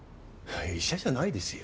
医者じゃないですよ。